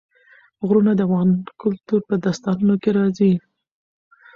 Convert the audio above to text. غرونه د افغان کلتور په داستانونو کې راځي.